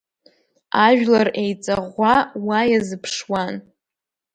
Ажәлар еиҵаӷәӷәа уи иазыԥшуан.